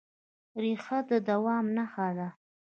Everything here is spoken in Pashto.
ریښه د دوام نښه ده.